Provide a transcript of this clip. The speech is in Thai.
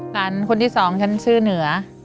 หลานคนที่สองฉันชื่อเหนือ